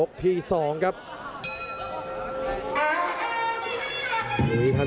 โหโหโหโหโหโหโห